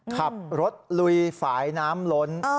ขับรถลุยฝ่ายน้ำล้น